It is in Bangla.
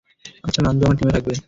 আচ্ছা, নান্দু আমার টিমে থাকবে।